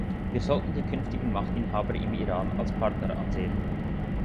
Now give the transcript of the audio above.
Wir sollten die künftigen Machtinhaber im Iran als Partner ansehen.